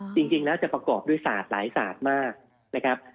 จริงแล้วจะประกอบด้วยสาดหลายสาดมากนะครับ